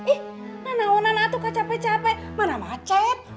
ih nanak nanak tuh gak capek capek mana macet